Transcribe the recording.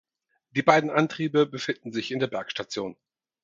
Die beiden Antriebe befinden sich in der Bergstation.